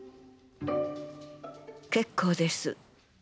結構です。